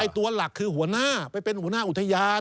ตัวหลักคือหัวหน้าไปเป็นหัวหน้าอุทยาน